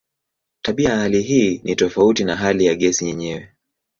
Tabia ya hali hii ni tofauti na hali ya gesi yenyewe.